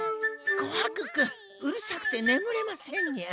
こはく君うるさくてねむれませんにゃ。